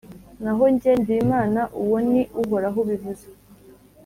naho jye ndi imana — uwo ni uhoraho ubivuze —